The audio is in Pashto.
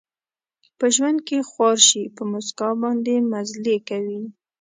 په ژوند کې خوار شي، په مسکا باندې مزلې کوي